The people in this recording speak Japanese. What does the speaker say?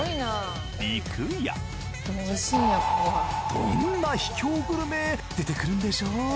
どんな秘境グルメ出てくるんでしょう？